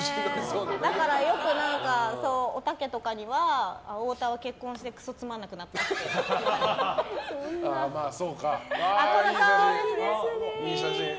よく、おたけとかには太田は結婚してクソつまんなくなったっていい写真。